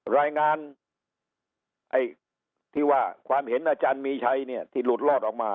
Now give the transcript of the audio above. รายงานที่ว่าความเห็นอาจารย์มีชัยเนี่ยที่หลุดรอดออกมา